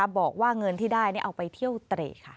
บอกว่าเงินที่ได้เอาไปเที่ยวเตรค่ะ